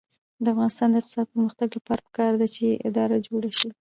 د افغانستان د اقتصادي پرمختګ لپاره پکار ده چې اداره جوړه شي.